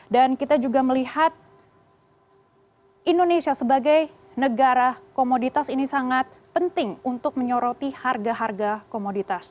dan kita juga melihat indonesia sebagai negara komoditas ini sangat penting untuk menyoroti harga harga komoditas